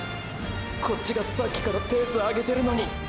こっちがさっきからペース上げてるのに！！